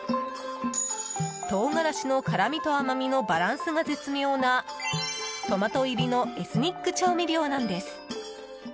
唐辛子の辛みと甘みのバランスが絶妙なトマト入りのエスニック調味料なんです。